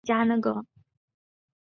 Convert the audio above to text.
王处一的武功在七子之中数次强。